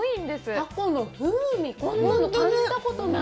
タコの風味、こんなの感じたことない。